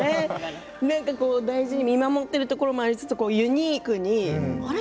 大事に見守ってるところもあり、ユニークにあれ？